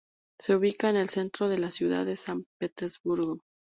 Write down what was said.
Se ubica en el centro de la ciudad de San Petersburgo.